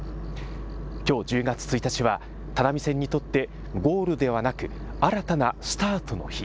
きょう１０月１日は只見線にとってゴールではなく新たなスタートの日。